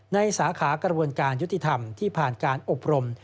สาขากระบวนการยุติธรรมที่ผ่านการอบรม